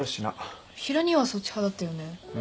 ヒロ兄はそっち派だったよね。